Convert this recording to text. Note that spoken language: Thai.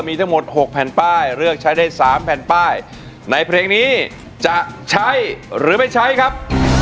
มีทั้งหมด๖แผ่นป้ายเลือกใช้ได้๓แผ่นป้ายในเพลงนี้จะใช้หรือไม่ใช้ครับ